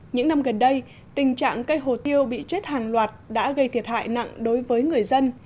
những năm gần đây tình trạng cây hồ tiêu bị chết hàng loạt đã gây thiệt hại nặng đối với người dân